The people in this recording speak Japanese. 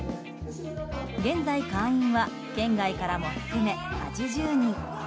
現在、会員は県外からも含め８０人。